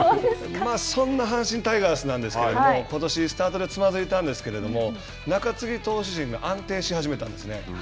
そんな阪神タイガースなんですけれどもことしスタートでつまずいたんですけれども中継ぎ投手陣が安定し始めたんですね。